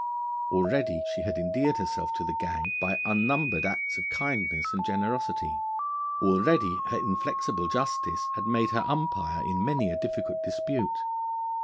Already she had endeared herself to the gang by unnumbered acts of kindness and generosity; already her inflexible justice had made her umpire in many a difficult dispute.